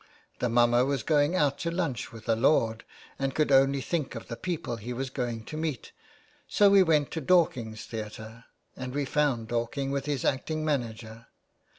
The mummer was going out to lunch with a lord and could only think of the people he was going to meet. So we went to Dorking's Theatre, and we found Dorking with his acting manager.